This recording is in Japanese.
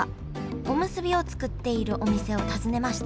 おむすびを作っているお店を訪ねました